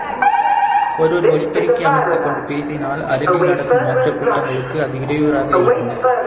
ஒருவர், ஒலி பெருக்கி அமைத்துக் கொண்டு பேசினால், அருகில் நடக்கும் மற்றக் கூட்டங்களுக்கு, அது இடையூறாக இருக்கும்.